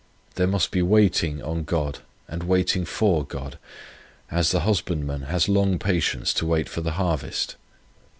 There must be waiting on God and waiting for God, as the husbandman has long patience to wait for the harvest.